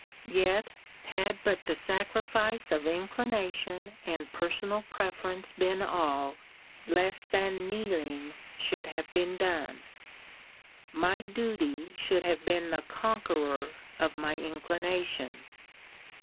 Yet, had but the sacrifice of inclination and personal preference been all, less than KNEELING should have been done. My duty should have been the conqueror of my inclination.